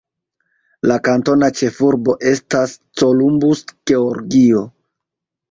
La kantona ĉefurbo estas Columbus, Georgio.